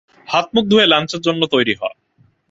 হাত-মুখ ধুয়ে লাঞ্চের জন্য তৈরি হ।